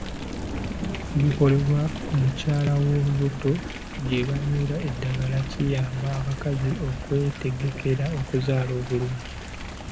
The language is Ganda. Ebikolebwa ku mukyala ow'olubuto gye banywera eddagala kiyamba abakazi okwetegekera okuzaala obulungi.